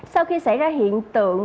sau khi xảy ra hiện tượng